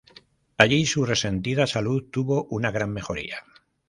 Allí su resentida salud tuvo una gran mejoría.